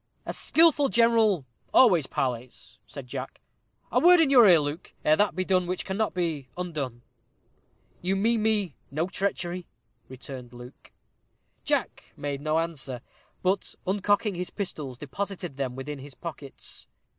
"A skilful general always parleys," said Jack. "A word in your ear, Luke, ere that be done which cannot be undone." "You mean me no treachery?" returned Luke. Jack made no answer, but uncocking his pistols, deposited them within his pockets.